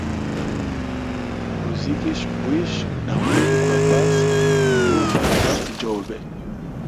Gozigisha mbwijya na mulilo gwa pasi, nimuvala nasi njobe.